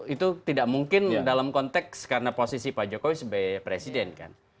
itu tidak mungkin dalam konteks karena posisi pak jokowi sebagai presiden kan